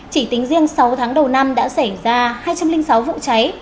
chỉ tính riêng sáu tháng đầu năm đã xảy ra hai trăm linh sáu vụ cháy